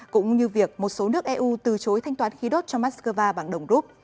cũng như việc một số nước eu từ chối thanh toán khí đốt cho moscow bằng đồng rút